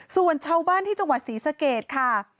ส่วนชาวบ้านที่จังหวัดศรีสะเกดค่ะ